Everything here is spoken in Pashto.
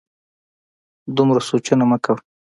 دومره سوچونه مه کوه